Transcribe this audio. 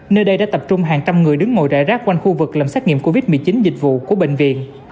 nơi đây đã tập trung hàng trăm người đứng ngồi rải rác quanh khu vực làm xét nghiệm covid một mươi chín dịch vụ của bệnh viện